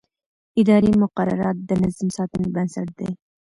اداري مقررات د نظم ساتنې بنسټ دي.